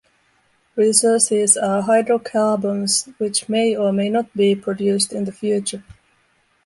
Resources are hydrocarbons which may or may not be produced in the future.